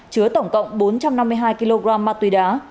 chứa tổng cộng bốn trăm năm mươi hai kg ma túy đá